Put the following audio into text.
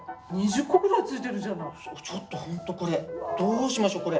ちょっとほんとこれどうしましょこれ。